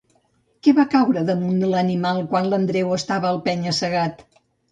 Què va caure damunt l'animal quan l'Andreu estava al penya-segat?